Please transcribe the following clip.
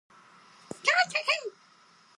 きゃー大変！